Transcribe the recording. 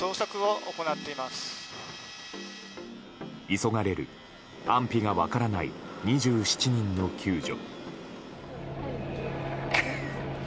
急がれる、安否が分からない２７人の救助。